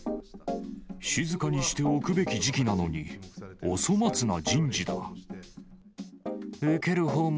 静かにしておくべき時期なのに、お粗末な人事だ。